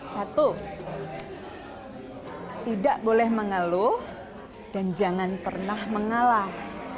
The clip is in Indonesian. satu tidak boleh mengeluh dan jangan pernah mengalah